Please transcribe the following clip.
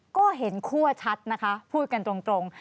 ก็เห็นคั่วชัดนะคะพูดกันตรง